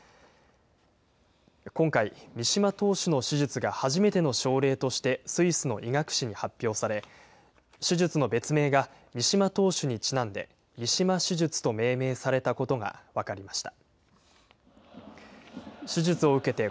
今回、三嶋投手の手術が初めての症例としてスイスの医学誌に発表され手術の別名が三嶋投手にちなんでＭＩＳＨＩＭＡ手術と命名されたことが分かりました。